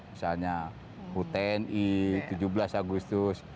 misalnya hutn i tujuh belas agustus